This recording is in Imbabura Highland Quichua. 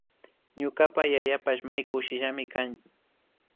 Ñukapa yayapash may kushillami kan